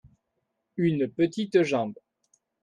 une petite jambe.